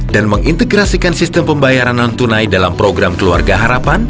dan mengintegrasikan sistem pembayaran non tunai dalam program keluarga harapan